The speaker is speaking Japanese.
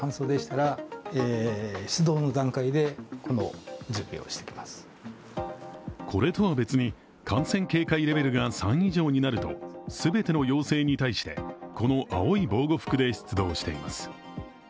これとは別に、感染警戒レベルが３以上になると、全ての要請に対してこの青い防護服で出動しています。